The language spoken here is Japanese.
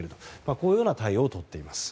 こういう対応をとっています。